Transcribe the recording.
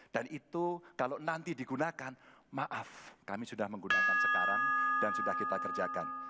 dan itu kalau nanti digunakan maaf kami sudah menggunakan sekarang dan sudah kita kerjakan